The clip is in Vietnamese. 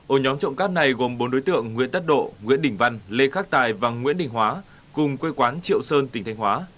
ổ nhóm trộm cắp này gồm bốn đối tượng nguyễn tất độ nguyễn đình văn lê khắc tài và nguyễn đình hóa cùng quê quán triệu sơn tỉnh thanh hóa